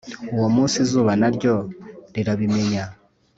uwo munsi izuba naryo rirabimenya